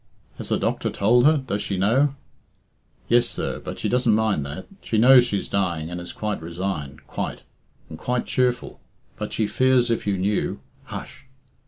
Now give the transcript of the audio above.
"Has the doctor told her? Does she know?" "Yes, sir; but she doesn't mind that. She knows she's dying, and is quite resigned quite and quite cheerful but she fears if you knew hush!"